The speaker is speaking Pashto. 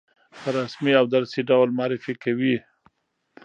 په رسمي او درسي ډول معرفي کوي.